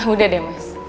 udah deh mas